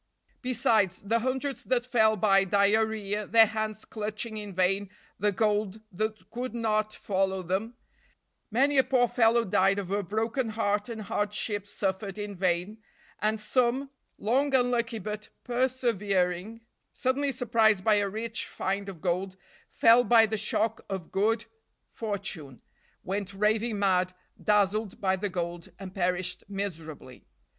Besides, the hundreds that fell by diarrhea, their hands clutching in vain the gold that could not follow them, many a poor fellow died of a broken heart and hardships suffered in vain, and some, long unlucky but persevering, suddenly surprised by a rich find of gold, fell by the shock of good fortune, went raving mad, dazzled by the gold, and perished miserably.